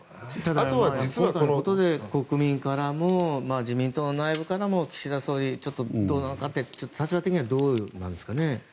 あとは国民からも自民党内部からも岸田総理ちょっとどうなのかって立場的にはどうなんですかね。